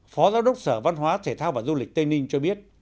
phó giáo đốc sở văn hóa thể thao và du lịch tây ninh cho biết